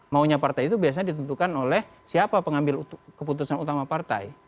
maunya partai itu biasanya ditentukan oleh siapa pengambil keputusan utama partai